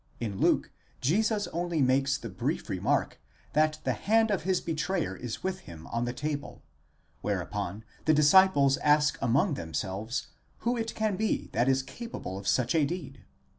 In Luke Jesus only makes the brief remark that the hand of his betrayer is with him on the table, whereupon the disciples ask among themselves, who it can be that is capable of such a deed?